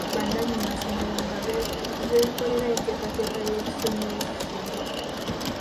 Bannannyini masomero nga be beekolera enteekateeka y’ebisomesebwa.